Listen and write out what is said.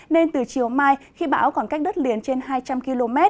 nên từ chiều mai khi bão còn cách đất liền trên hai trăm linh km